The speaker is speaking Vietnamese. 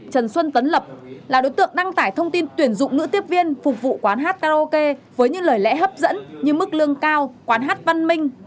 trần xuân tấn lập là đối tượng đăng tải thông tin tuyển dụng nữ tiếp viên phục vụ quán hát karaoke với những lời lẽ hấp dẫn như mức lương cao quán hát văn minh